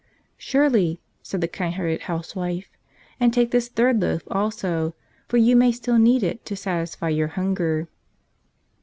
"Surely," said the kind hearted housewife. "And take this third loaf also; for you may still need it to satisfy your hunger."